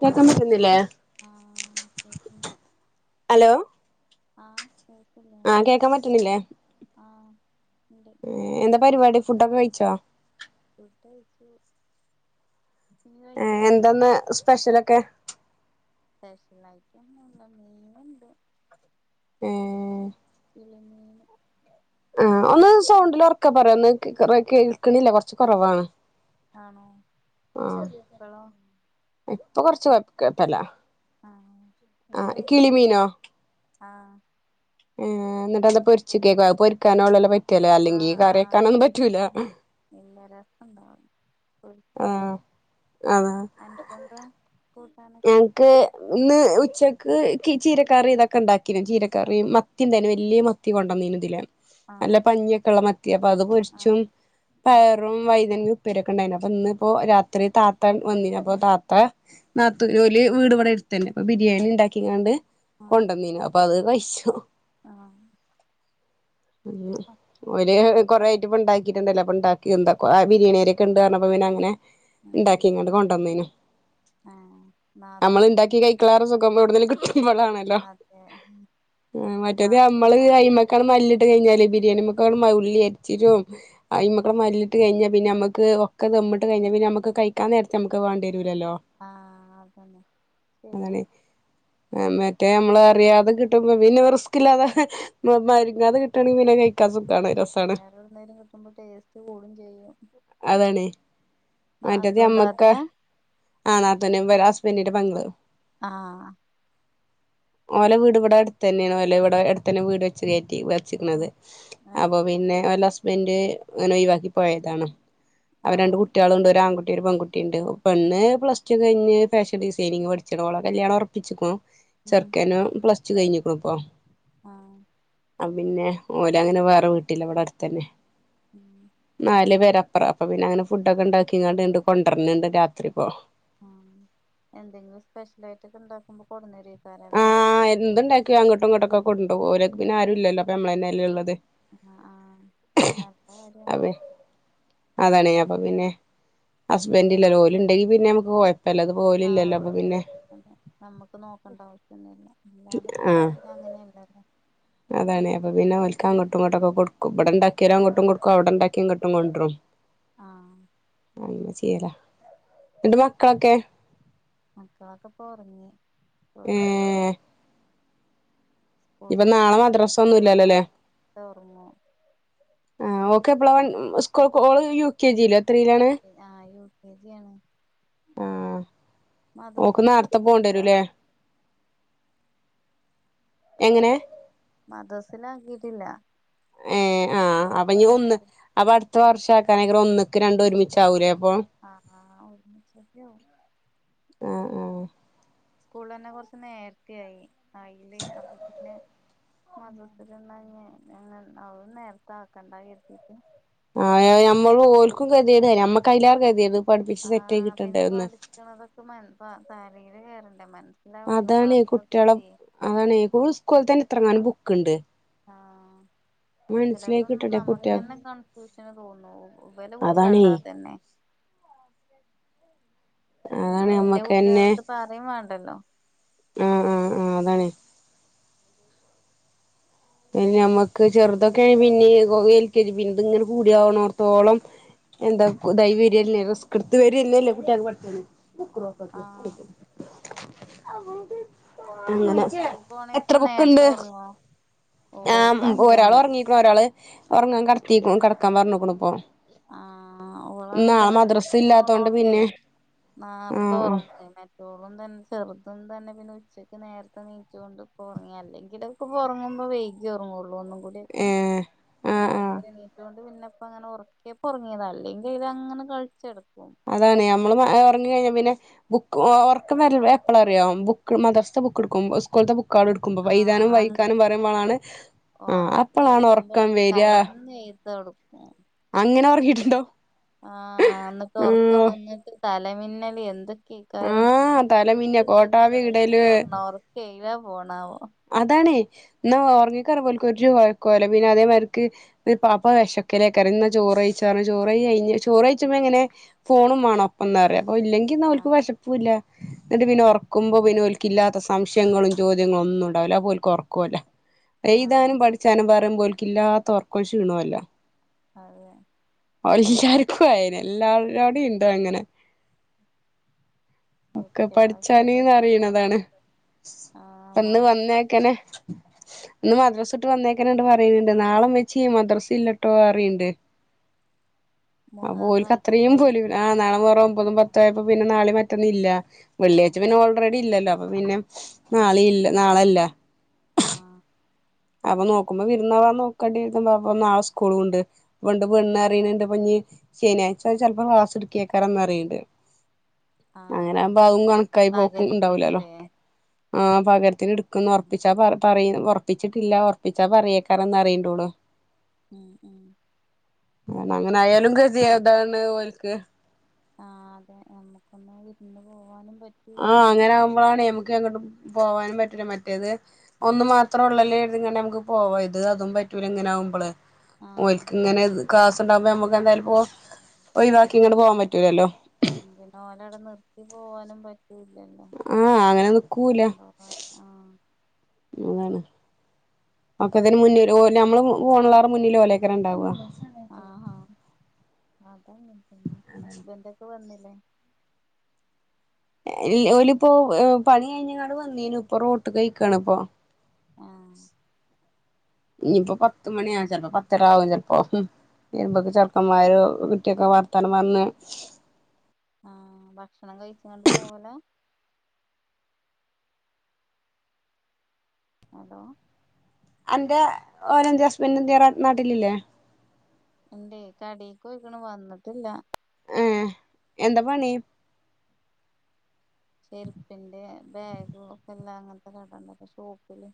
കേക്കാൻ പറ്റുന്നില്ലേ ആഹ് കേക്ക്ണ്ട് ഹലോ ആ ആഹ് കേക്കാൻ പറ്റുന്നില്ലേ ആഹ് ഇണ്ട് എന്താ പരിപാടി ഫുഡൊക്കെ കഴിച്ചോ ഫുഡ് കഴിച്ചു നീ ഏ കഴിച്ചില്ലേ എന്തെന്ന് സ്പെഷ്യലൊക്കെ സ്പെഷ്യൽ ആയിട്ട് ഒന്നും ഇല്ല മീൻ ഉണ്ട് ഉം കിളിമീന് ആഹ് ഒന്ന് സൗണ്ടിൽ ഉറക്ക പറ ഒന്ന് കേൾക്കണില്ല കുറച്ച് കുറവാണ് ആണോ ആഹ് ഇപ്പോളോ ഇപ്പൊ കൊറച്ച് കേട്ടല ആഹ് ആഹ് കിളിമീനോ ആ എന്നിട്ട് അത് പൊരിച്ച കേക്ക പൊരിക്കാനോുള്ള ല്ല ല അല്ലെങ്കിൽ ഈ ആഹ് കറിവെക്കാനൊന്നും പറ്റൂല ണ്ടാവും ഒരിക്കലും ആഹ് എനിക്കെന്താ ഞക്ക് ഇന്ന് ഉച്ചക്ക് ചീരക്കറി ഇതൊക്കെ ഉണ്ടാക്കിും ചീരക്കറി മത്തി എന്തേും വലിയ മത്തി കൊണ്ടുവന്നീന് ഇതില് ആഹ് നല്ല പഞ്ഞിയൊക്കെ ഉള്ള മത്തി അപ്പൊ അത് ആഹ് പൊരിച്ചും ആഹ് പയറും വൈതന്യം പേരൊക്കെ ഉണ്ടായിന അപ്പൊ ഇന്നിപ്പോ രാത്രി താത്തൻ വന്നിപ്പൊ താത്ത നാത്ത ജോലി വീട് ഇവിടെ എടുു തന്നെ അപ്പൊ ബിരിയാണി ഉണ്ടാക്കിങ്ങാണ്ട് കൊണ്ടുവന്നീു അപ്പൊ അത് ക ക്ഷ ആഹ ഒരു എന്തൊക്കെ കൊറ പറ ആായിട്ട് ഇപ്പ ഉണ്ടാക്കി ഉണ്ടാക്കി എന്ത ആ ബിരിയാണിരൊക്കെ ഉണ്ട് കപ്പോ പിന്നെങ്ങനെ ഉം ഉം ഉണ്ടാക്കി ഇങ്ങോട്ട് കൊണ്ടുവന്നേന ആഹ് നമ്മൾ നാത്തൂന് ഉണ്ടാക്കി കൈക്കളാറ സുഖം ഇവിട കിട്ട ഇളാണല്ലോ അതെ മറ്റത് നമ്മള് നാത്തൂനാ കയി്മക്ക നല്ലിട്ട് കഴിഞ്ഞാല് പിന്നെ ബരിയാണിമക്ക ഉല്ലി അരിച്ചിട്ടും മക്കെ മല്ലിട്ട് കഴിഞ്ഞ പിന്നെ നമ്മുക്ക് ഒക്കെ തമ്മിട്ട് കഴിഞ്ഞ പിന്നെ നമുക്ക് കഴിക്കാൻ നേരത്തെ നമുക്ക് വേണ്ടിരൂലല്ലോ ന്നെ ശരിയാ മറ്റേ നമ്മള് അറിയാതെ കിട്ടുമ്പ പിന്നെ റിസ്ക്ില്ലാതെ മാതെ കിട്ടണെങ്കിൽ പിന്നെ കഴിക്കാ വേറെ എന്തായാലും കിട്ടുമ്പോ ടേസ്റ്റ് കൂടും ചെയ്യും മറ്റത് നാത്തൂൻ അമ്മക്ക താത്തയാ ആ നാത്ത ഹസ്ബൻഡന്റെ പങ്കിള ആഹ ഓലെ വീട് ഇവിടെ അടുത്ത് തന്നെയാണ്ല്ല ഇവിടെ അടുന്നെ വീട് വെച്ച് കയ വച്ചിക്കുന്നത് ഏഹ് അപ്പൊ പിന്നെ ഹസ്ബന്ഡറ്ന ഒഴിവാക്കി പോയതാണ് അവര് രണ്ട് ആഹ് കുട്ടികളും ഉണ്ട് ഒരു ആൺകുട്ടി ഒരു പെൺകുട്ടിയ ഉണ്ട് പെണ് പ്ലസ് കഴിഞ്ഞ് ഫാഷൻ ഡിസൈനിങ്് പഠിച്ചണോ കല്യാണം ഉറപ്പിച്ചിക്കോ ചെറുക്കാനും പ്ല ചച്ച് കഴിഞ്ഞിക്കണ ഇപ്പൊ ആഹ പിന്നെ ഓല അങ്ങനെ വേറെ വീട്ടില അവിടെ അടുത്തന്നെ ഉം നാല പേരാ അ അപ്പൊ പിന്നെ അങ്ങെ ഫുഡ ഒക്കെ ഉണ്ടാക്കി ഇങ്ങോണ്ട് കൊണ്ടരന്നണ്ട് രാത്രി ഇപ്പോ ഉം എന്തെങ്കിലും സ്പെഷ്യൽ ആയിട്ട്ൊക്കെ ഇണ്ടാക്കുമ്പോ കൊടുന്നരക്കാര അല്ലേ ആ എന്തുണ്ടാകിയ അങ്ങോട്ടും ഇങ്ങോട്ട് ക്കെ കൊണ്ടോ ഒലക് പിന്നെ ആരും ല്ലല്ലോ അപ്പ നമ്മ തെ ഉള്ളത് ആ ആ എന്നക്ക വര അതെ അതാണ് ഞാൻ അപ്പ പിന്നെ ഹസ്ബൻഡല്ലോല ഉണ്ടെങ്കിൽ പിന്നെ നമുക്ക്ഴ ആ അതെ നമ്മുക്ക് നോക്കണ്ട ആവശ്യൊന്നുംല്ല എല്ലാടക്കുമ്പോ പിന്നെ അങ്ങനെയല്ലല്ലോ അതാണ്െ അപ്പൊ പിന്നെ ഒൽാ അതാണേ അപ്പം പിന്നെ ഓല്ക് അങ്ങോട്ടും ഇങ്ങോട്ടൊക്കെ കൊടുും ഇവിടടെണ്ടാക്കിയരോ അങ്ങോട്ടും കൊടുക്കും അവിടെണ്ടാക്കി ഇങ്ങോട്ടും കൊണ്ട്രും ആ അങ്ങനെ ചെയ്യല അൻന്റെ മക്കളൊക്കെ മക്കളൊക്കെ പോ ഉറങ്ങി ഉറങ്ങിപ്പോ ഏഹ് സ്കൂൾക്ക് ഇനിപ്പ പോണ നാളെ മദ്രസ ഒന്നും മോള ഇല്ലല്ലോല്ലേ നേരത്തെ ഉറങ്ങു ആ ഓക്കെ പ്പളാ അവൻ സ്കൂൾ [unintelligible] എത്രയിലാണ് ആ യു കെ ജി ആണ് ഓക് മദ്രസില് നേരത്തെ ചേർത്തിട്ടില്ല പോകണ്ടരൂല്ലേ എങ്ങനെ മദസിലാക്കിട്ടില്ല ഏ ആഹ് അപ്പൊ ഇ ഒന്ന് അപ്പൊ അടുത്ത വർഷം ആക്കാനങ്കിൽ ഒന്നക്ക് രണ്ട ഒരുമിച്ച ആവൂലേ ആഹ് [unintelligible] ആ സ്കൂള് തന്നെ കുറച്ച് നേരത്തിയായി അയില് അപ്പൊ പിന്നെ മദസിൽ [unintelligible] അഹും നേരത്തെ ആക്കണ്ട കരുതിട്ട് ആ എ ഞമ്മള് ഓൽക്കും കതിട നമ്മക്ക് അയിലറെ കതിയത് ആ പിന്നെ പഠിക്കണതൊക്കെ മ തലേൽ കേറണ്ടേ മന അതാണ് കുട്ടികളെ അതാണ് സ്കൂളിൽ തന്നെ ഇത്രങ്ങാനം ബുക്കുണ്ട് ആ പോയ്‌ ചിലതും നമുക്ക് തന്നെ കൺഫ്യൂഷന് തോന്നു ഇവലെ ബുക്ക്‌ കണ്ടാ തന്നെ ശരിയാ പിന്നെ വല്യ കുട്ടികൾടേത് പറയും വേണ്ടല്ലോ ആ ആ ആ അതാണ് പിന്നെ ഞമ്മക്ക് ചെറുതൊക്കെ പിന്നെ [unintelligible] എൽ. കെ. ജി പിന്നി ത് ഇങ്ങനെ കൂടിയ ആകണോർത്തോളം എന്താ [unintelligible] റിസ്ക്കെടുത്ത് വരതന്നെയല്ലേ കുട്ടികൾക്ക്‌ പഠിക്കാന് ആ [unintelligible] അപ്പൊ അങ്ങനെ സ്കൂൾക്ക് പോണ ദിവസം നേരത്തെ ഒറങ്ങോ ആ ഓൽക്ക് മ് ഒരാൾ അഞ്ചെണ്ണം ഉറങ്ങീക്കണു ഒരാള് ഉറങ്ങാൻ കെടത്തി കെടക്കാൻ പറഞ്ഞേക്കണു ഇപ്പൊ ആഹ് ഓള് അങ്ങനെ നാളെ തന്നെ മദ്രസ ഇല്ലാത്തോണ്ട് പോണോണ്ടേ പിന്നെ നേർത്തെ ആഹ് ആഹ് ഉറങ്ങി മറ്റോളും തന്നെ ചെറുതും തന്നെ പിന്നെ ഉച്ചക്ക് നേരത്തെ എണീറ്റോണ്ട് ഇപ്പോ ഒറങ്ങി അല്ലെങ്കിലൊക്കെ ഉറങ്ങുമ്പോ വൈകി ഉറങ്ങുള്ളൂ ഒന്നും കുടെയൊക്കെ ഏഹ് ആഹ് ആഹ് നേരത്തേ എണീറ്റ കൊണ്ട് പിന്നെ ഇപ്പം അങ്ങനെ ഒറ യപ്പം ഒറങ്ങിയതാ അല്ലെങ്കിൽ ഇത് അങ്ങനെ കളിച്ച് നടക്കും അതാണ് നമ്മളും ഉറങ്ങി കഴിഞ്ഞാ പിന്നെ ബുക്ക് ഉറക്കം വരും എപ്പഴാ അറിയോ ബുക്ക് മദരസ ബുക്ക് എടുക്കുമ്പം സ്കൂളിലത്തെ ബുക്ക്‌ ആണ് എടുക്കുമ്പം എഴുതാനും വായിക്കാനും പറയുമ്പോളാണ് [unintelligible] എഴുതുമ്പോൾ കിടന്ന് [unintelligible] കൊടുക്കും അങ്ങനെ ഉറങ്ങീട്ടുണ്ടോ ആ എന്നിട്ട് ഉറക്കം വന്നിട്ട് തലമിന്നല് എന്തൊ ക്യാരം ആഹ് തല മിന്ന കോട്ടാവി ഇടല് [unintelligible] പോണാവോ അതാണ് എന്നാ ഉറങ്ങിക്കോളാൻ ഓല്ക്ക് ഒര് [unintelligible] പിന്നെ അതേമാതിരിക്ക്‌ പാപ്പ വിശ കാരം ചോറ് കഴിച്ചെയാണ് ചോറ് കഴി കഴിഞ്ഞ് ചോറ് കഴിച്ചപ്പോ ഇങ്ങനെ ഫോണും വേണം അന്നാരേ ഓ ഇല്ലെങ്കി ഇന്ന് ഓൽക്ക് ആഹ് വിശപ്പും ഇല്ല എന്നിട്ട് പിന്നെ ഉറക്കുമ്പോ പിന്നെ ഓൽ ക്കില്ലാത്ത സംശയങ്ങളും ചോദ്യങ്ങളും ഒന്നും ഉണ്ടാവില്ല അപ്പം ഓൽക്ക് ഒറക്കവും ഇല്ല എഴുതാനും ആഹ് പഠിച്ചാനും പറയുമ്പം ഓൽക്ക്‌ ഇല്ലാത്ത ഒറക്കോം ഷീണോം എല്ലാം അതെ എല്ലാർക്കും ആയേനെ എല്ലാവരവിടേം ഉണ്ട് അങ്ങനെ ഒക്കെ കുട്ട്യാൾക്ക് ഓരോ പഠിച്ചാനീന്ന് പറയണതാണ് സ്വഭാവങ്ങള് ആഹ് വന്ന് വന്ന് മടിയാണ് [unintelligible] ഇന്ന് മദ്രസ വിട്ട് വന്നേക്കണ തൊട്ട് പറയുന്നുണ്ട് നാളെ ഉമ്മച്ചിയെ മദ്രസ ഇല്ലട്ടോ പറയണുണ്ട് അപ്പോ ഓൽക്ക്‌ അത്രയും മുഹറായിട്ട്ല്ലേ പോലും ആഹ് നാളെ മുഹറം ഒമ്പതും പത്തും ആയപ്പോ പിന്നെ നാളെ മറ്റൊന്നും ഇല്ല വെള്ളിയാഴ്ച്ച ആഹ് പിന്നെ ഓൾറെഡി ഇല്ലല്ലോ അപ്പൊ പിന്നെ ആഹ് നാളെയും ഇല്ല നാളെയില്ല ആഹ് അപ്പൊ നോക്കുമ്പോ വിരുന്നാവാൻ നോക്കണ്ടിരിക്കുമ്പോ അപ്പൊ നാളെ സ്കൂളുണ്ട് ഉം [unintelligible] ശനിയാഴ്ച ചിലപ്പോ ക്ലാസ് എടുക്കുവാ പറയൊണ്ട് ആഹ് അങ്ങനാവുമ്പം അതും കണക്കായി പോക്കും ഉണ്ടാവൂലല്ലോ പകരത്തിന്ല്ലേ ആഹ് പകര ത്തിന് എടുക്കുംന്ന് ഉറപ്പിച്ചാ പറ പറയും ഉറപ്പിച്ചിട്ടില്ല ഉറപ്പിച്ചാ പറയേക്കാന്ന് പറയൊണ്ടോ ഓള് ഉം ഉം [inaudible] ആന് അങ്ങനെ ആയാലും ഗതി അതാണ് ഓൽക്ക് ആഹ് അതെ നമ്മുക്കൊന്ന് ഇരുന്ന് പോവാനും- പറ്റൂല്ല ആഹ് അങ്ങനെ ആകുമ്പോഴാണ് എമക്ക് അങ്ങോട്ടും പോവാനും പറ്റില്ല മറ്റേത്- ഉം ഒന്നു മാത്രം ഉള്ളല്ലോ ഇതിങ്ങനെ നമുക്ക് പോവാ ഇത് അതും പറ്റൂല ഇങ്ങനാവുമ്പള് ആഹ് ഓല്ക്ക് ഇങ്ങനെ കാസുണ്ടാകുമ്പോ നമ്മുക്ക് എന്തായാലും പോവാം ഒഴിവാക്കി ഇങ്ങോട്ട് പോവാൻ പറ്റൂലല്ലോ ഉം പിന്നെ ഓലവടെ നിർത്തി പോവാനും പറ്റൂലല്ലോ ആഹ് അങ്ങനെ നിക്കൂല ആഹ് അങ്ങനെ ഒക്കെ ഇതിന് മുന്നെ [unintelligible] നമ്മള് [unintelligible] ഉണ്ടാവുവ ആഹാ അതങ്ങനെ പിന്നെ ഹസ്ബൻഡ് ഒക്കെ വന്നില്ലേ ഇൽ ഓലിപ്പോ പണി കഴിഞ്ഞേങ്ങാട് വന്നേനു ഇപ്പൊ റൂട്ട് കഴിക്കാണ് ഇപ്പൊ [inaudible] ആഹ് ഇനിയിപ്പോ പത്ത് മണിയ ചെലപ്പോ പത്തര ആകും ചെലപ്പോ ഉം ഇതിന് ഉമ്പൊക്കെ ചെറുക്കന്മാര് - കുറ്റിയൊക്കെ വർത്താനം വന്ന് ആഹ ഭക്ഷണം കഴിക്കാണ്ട് പോവല ഹലോ ആന്റയ് ഓന എന്ത് [unintelligible] ഹസ്ബന്ഡ എ നാട്ടിലില്ലേ എന്റെ കടേയ്ക്ക നിക്ക്‌ണു വന്നിട്ടില്ല ആ ഏ എന്താ പണി ചെരുപ്പിന്റെ ബാഗ ഒക്കെ എല്ലാം അങ്ങനത്തെ കടണ്ടക്ക ഷോപ്പില്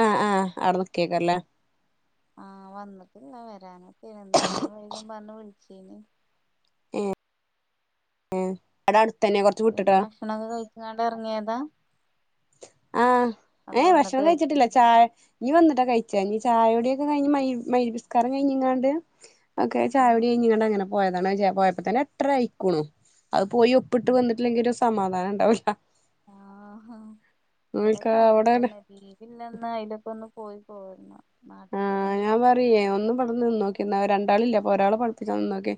ആഹ് ആഹ് അവിടെ നിക്കിയക്കല്ലേ ആഹ് വന്ന്ട്ട്ല്ല വരാനൊക്കേയിണ് നേരം വൈകും പറ്ഞ്ഞ് വിള്ച്ചീനി ഏഹ് ഏഹ് ഹസ്ബൻഡ് ഭക്ഷണൊക്കെ കഴിച്ച്ങ്ങാണ്ട് എറ്ങ്ങിയതാ ആഹ് ഏഹ് വന്നിട്ട് ഭക്ഷണം കഴിക്ക കഴിച്ച്ട്ടില്ല ചായ ഇഞ്ഞ് വന്ന്ട്ടാ കഴിച്ചാ ഇഞ്ഞ് ചായുടിയൊക്കെ കഴിഞ്ഞ് മയ് മയ്രിബ്സ്കാരം കഴിഞ്ഞ്ങ്ങാണ്ട് ഒക്കേ ആഹ് ചായുടി കഴിഞ്ഞ്ങ്ങാണ്ടങ്ങനെ പോയതാണ് ആഹ് ചാ പോയപ്പതന്നെ എട്ടരായിക്കുണു അഹ് പോയി ഒപ്പിട്ട് ഉം വന്നിട്ട്ല്ലെങ്കി ഒരു സമാധാനണ്ടാവുല്ലാ ആഹ് ഹാ ഓൽക്ക് ഇവടെക്കെ അവിടെ അങ്ങത്തന്നെ ടീവിള്ളന്ന് അയിലൊക്കൊന്ന് പോയി പോര്ണാ ആഹ് ഞാൻ പറിയേ ഒന്ന് ഇബടെ നിന്നോക്കി ഇന്നാ രണ്ടാളില്ലെ അപ്പൊ ഒരാളെ പഠിപ്പിച്ചാ നിന്നോക്കി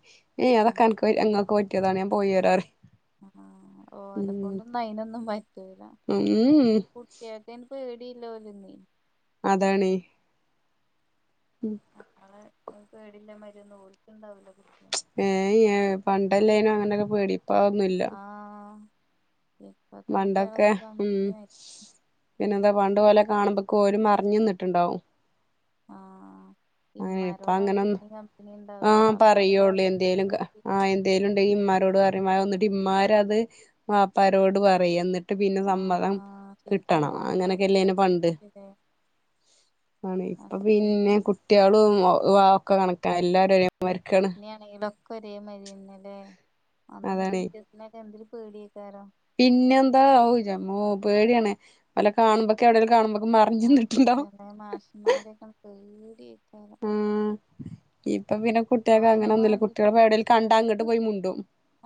ഏഹ് ഉം അതൊക്കെ അന്ക്ക് ഇങ്ങക്ക് പറ്റിയതാണ് ഞാൻ പോയി വരാറിം ആഹ് ആഹ് ഉം ഓലക്കൊണ്ടൊന്നും അയിനൊന്നും പറ്റൂല്ലാ ഉം കുട്ട്യേക്കൈന് പേടിയില്ലാ ഓലെന്നേ അതാണേ ഉം നമ്മളെ പേടില്ല മരയൊന്നുംോലിച്ചുണ്ടാവല്ലോ ഏ പണ്ടല്ലേനും അങ്ങനെയൊക്കെ പേടിപ്പാൊന്നുമല്ല ആഹ് ഇപ്പത്തെ മണ്ടൊക്കെ കുട്ടികളൊക്കെ ഉ കമ്പനി ആയി പിന്നെ എന്താ പണ്ട് പോോലെെ കാണുമ്പൊക്കെഓരും അറിഞ്ഞു നിന്നിട്ടുണ്ടാവും ആഹ അങ്ങനെ ഇപ്പ തിമാരോടാണ് അങ്ങനൊന്നും പിന്നെ കമ്പനി ഉണ്ടാവ ആഹ് വാപ്പാരൊക്കെ പറയുള്ളൂ ഭയങ്കര പേ ന്മാരോട് പറയും വന്നിട്ട് ഇന്്മാർ അത് മാപ്പാരോട് പറയും എന്നിട്ട് ് പിന്നെ ആഹ് സമ്മതം ആഹ് ശരിയാണ് കിട്ടണം ഞമ്മളൊക്കെ അങ്ങനൊക്കെല്ലെ പണ്ട് ചെറുപ്പത്തിലല്ലേ ആണ് ഇപ്പൊ അതന്നെ പിന്നെ കുട്ടികളും ഒക്കെ കണക്കാ എല്ലാരും അനിയ മരിക്കാണ് കൊരേ മരന്നല്ലേ അന്നൊക്കെ ബീറ്റേഴസിനൊക്കെ എന്തേലും പേടിയ പിന്നെ എന്താ ജമ്മോ പേടിയാണ്േ വല്ല കാണുമ്പോൊക്കെ എവിടെേലും കാണുമ്പോ അതെല്ല മാഷന്മാരൊക്കെ പേടി ആം അപ്പൊ പിന്നെ ഇപ്പൊ കുട്ടികൾെ അങ്ങനെ അയിനും ഒന്നുമില്ല മാണ്ടീട്ട് കുട്ടികൾപ്പോ എവിയേല കണ്ട ഒക്കെ അങ്ങട്ട് പോയി മുണ്ടും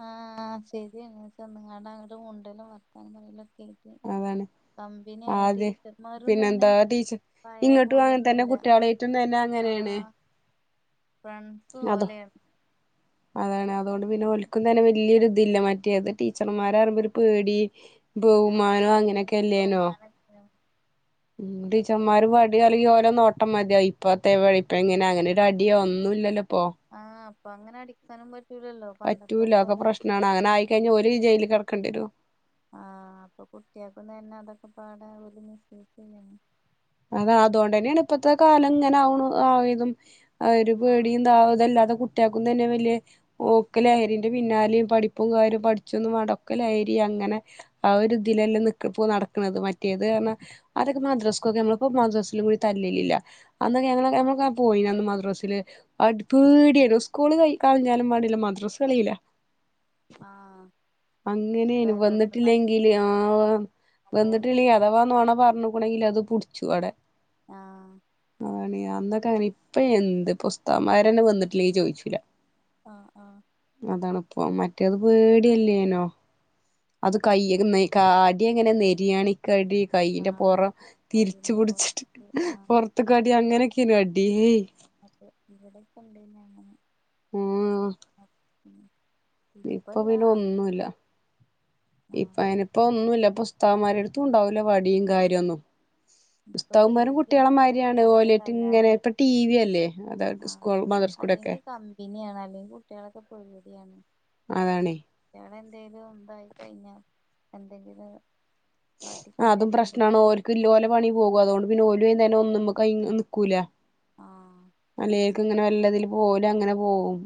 ആഹ് ശരി എന്നന്തങ്ങടങ്ങട്ട ഉണ്ടെല്ലാം വത്താ കല്ലാം കേട്ട ആ അതെ പിന്നെ തന്നെ എന്താ ടീച്ചർ പഴയ ഇങ്ങോട്ടും അങ്ങനെ തന്നെ പോലെയൊന്നുംല്ല കുട്ടികളായിട്ടും തന്നെ ആ അങ്ങനെയാണ് ഫ്രണ്ട്സ് പോഓലെയാണ് അതാണ് അതുകൊണ്ട് പിന്നെ ഒലക്കും തന്നെ വലിയൊരി ഇതില്ല മറ്റ പറ്റിയത് ടീച്ചർമാർ അറുമ്പോ ഒരു പേടി ആ ബഹുമാനോ ഒരു അങ്ങനെയൊക്കെ അല്ലേനോ ബഹുമാനമൊക്കെ. ഉം ടച്ചന്മാര് പടി അല്ലെങ്കി ഓലെ നോട്ടമാ ഇപ്പ അത്തെവടെ ഇപ്പ എങ്ങനെ അങ്ങനെ ഒരു അടിയോ ഒന്നും ഇല്ലല്ലോ ഇപ്പോൊ ആ അപ്പൊ അങ്ങനെ അടിക്കാനും പറ്റൂലല്ലോ പണ്ടത്തെ പറ്റൂല ഒക്കെ പോലെ പ്രശ്നമാണ് അങ്ങനെ ആയിക്കഴിഞ്ഞഞ് ഒരു ജയിലിൽ കിടക്കണ്ടിരുമോ ആഹ അപ്പൊ കുട്ടിയക്ക തന്നെ അതൊക്കെ പാട ഒരു മിസ്ക്ക് ചെയ്യാണ് അതാ അതുകൊണ്ട തന്നെയാണ് ഇപ്പത്തെ കാലം ഇങ്ങനെ ആ ആയതും ആ ഒരു പേടിയും താാവതല്ലാതെ തന്നെ വലിയ ഓക്കലരിന്റെ പിന്നാലെയും പഠിപ്പും കാര്യം പഠിച്ചൊന്നും മടക്കലരി അങ്ങനെ ആ ഇതിലല്ലാം ന നടക്കണുന്നത് മറ്റേത് കാരണം അതൊക്കെ മാദ്രാസക്കൊക്കെ നമ്മ അപ്പ മദ്രാസിലും കൂടി തല്ലലില്ല അൊ ഞ ഞ പോയിന്ന് മദ്രാസൽ അടിപടി സ്കൂള് ക കളഞ്ഞാലും വാടില്ല മദ്രാസ് കളില്ല ആഹ അങ്ങനെയന് വന്നിട്ടില്ലെങ്കില് ആ കിട്ടും ആ, വന്നിട്ടില്ലേ പോയിട്ടില്ലെങ്കിൽ അഥവാ നുണ പറഞ്ഞൂണെങ്കിൽ അത് ടെ ആ അതണിയ ന്നൊക്കെ അെ ഇപ്പ എന്ത് പുസ്തകന്മാരന്നെ വന്നിട്ടില്ലെങ്കിൽ ചോദിച്ചൂില്ല ആഹ ആഹ അപ്പ മറ്റേത് പേടിയല്ലേനോ അത് കയ അടി എങ്ങനെ നെരിയാണിക്കടി ആ കൈന്റെ പുൊറം കയ്യിന്റെ തിരിച്ച്പടിച്ചിട്ട് പുറത്ത് ആ പുൊറത്തക്കാടി അങ്ങനെയൊക്കെയന അടിയേ അപ്പൊ ഇവിടെൊക്കെ ഉണ്ടന്ന അങ്ങനെ ഉം ഉം് ഇപ്പൊ പിന്നെ ഒന്നുമല്ല ഇപ്പ ആഹ് അയിനിപ്പ ഒന്നുമല്ല ഭത്താമാരടുത്തും ഉണ്ടാവൂല വടിയും കാര്യമൊന്നും ഇപ്പൊ പുസ്തകന്മാരും പേടിയാണ് കുട്ടികളെമാരയാണ് കുട്ടികളൊക്കെ ഓലറ്റ് ഇങ്ങനെ തല്ലാനേ ഇപ്പ ടി വി അല്ലേ അത സ്കൂൾ മദർസ് കൂടെെ എ കമ്പിനിയാണ് അല്ലെങ്കിൽ കുട്ടികളൊക്കെ പൊപടിയാണ് അതാണേ ക എന്ത ഇ ഉന്ത ഇത അ എന്ത ഇ [unintelligible] അതും പ്രശ്നമാണ്ണ്ഓർും ഇപലെ പണി പോകും അതുകൊണ്ട് പിന്നെ ഓല അങ്ങന ഒന്നും ന ക നക്കൂല ആഹ് അലേക്ക് ഇങ്ങനെ വല്ലതിൽ പോല അങ്ങനെ പോവും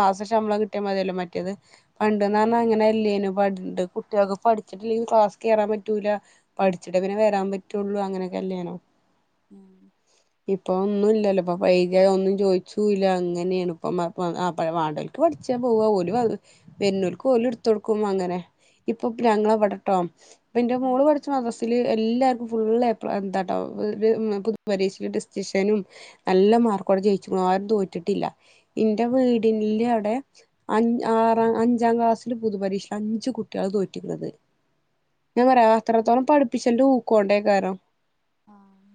മാസം ശമ്പളം കിട്ടിയാൽ മതിയല്ലോ മറ്റേത് പണ്ട് ഉം എന്ന അങ്ങനെല്ലേനും ണ്ട് കുട്ടികൾക്ക് പഠിച്ചിട്ട്ല്ലെങ്കിൽ ക്ലാസ് കേയറാൻ പറ്റൂില്ല പഠിച്ചിട്ടേ പിന്നെ വരാൻ പറ്റുള്ളു അങ്ങനെക്കെ ഇപ്പൊ ഒന്ന അപ്പം പൈദ്യതം ഒന്നും ചോദിച്ചില്ല അങ്ങനെയാണ് ഇപ്പം പാടകക്ക് പഠിച്ചാൽ പോവുക പോലും അത് വുന്നൂൽക്ക് കോല എടുത്ത കൊടുക്കും അങ്ങനെ ഇപ്പൊ ഗ്രങ്ങള പടട്ടോ പിന്റെ ഉം ഉം മള് പഠിച്ചു മം എല്ലാർക്കും ഫുള്ള് എ പ്ലസ് എന്താട്ടോ പുൊതു പരീശ ഡെസ്റ്റഷനും നല്ല മാർക്കോടെ ജയിച്ചു ആരും തോറ്റിട്ടില്ല ഉം എന്റെ വീടില് അവിടെ അഞ് ആറാം അഞ്ചാം ക്ലാസ്സില് പൊതുപരീക്ഷയില അഞ്ചു കുട്ടികള് തോറ്റിക്കുന്നത് ഞൻത്രത്തോളം പഠിപ്പിച്ചണ്ട് ൂക്കോണ്ടേക്കാരോ ആഹ